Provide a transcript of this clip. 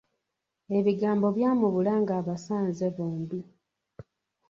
Ebigambo byamubula ng'abasanze bombi.